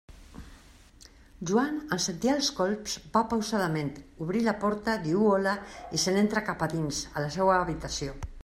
Joan, en sentir els colps, va pausadament, obri la porta, diu «hola» i se n'entra cap a dins, a la seua habitació.